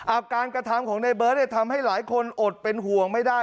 อาการกระทำของในเบิร์ตทำให้หลายคนอดเป็นห่วงไม่ได้